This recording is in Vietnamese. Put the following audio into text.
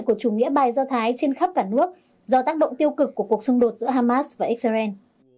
của chủ nghĩa bài do thái trên khắp cả nước do tác động tiêu cực của cuộc xung đột giữa hamas và israel